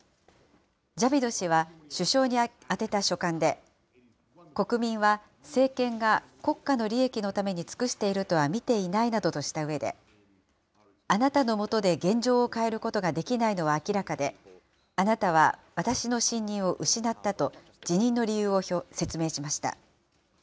ジャビド氏は、首相に宛てた書簡で、国民は政権が国家の利益のために尽くしているとは見ていないなどとしたうえで、あなたの下で現状を変えることができないのは明らかで、あなたは私の信任を失ったと、辞任の理由を説明しました。